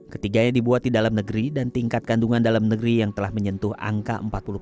ketiganya dibuat di dalam negeri dan tingkat kandungan dalam negeri yang telah menyentuh angka empat puluh tujuh